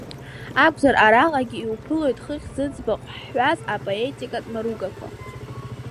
Акәзар, араҟагьы иуԥылоит хыхь зыӡбахә ҳҳәаз апоетикатә мыругақәа.